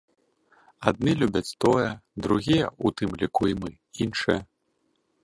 Адны любяць тое, другія, у тым ліку і мы, іншае.